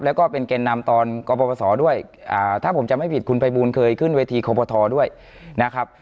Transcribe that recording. แล้วก็เป็นแก่นำตอนกรปศด้วยถ้าผมจำไม่ผิดคุณภัยบูลเคยขึ้นเวทีคอปทด้วยนะครับ